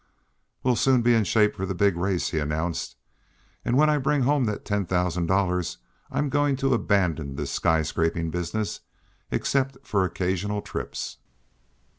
"We'll soon be in shape for the big race," he announced, "and when I bring home that ten thousand dollars I'm going to abandon this sky scraping business, except for occasional trips."